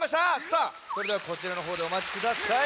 さあそれではこちらのほうでおまちください。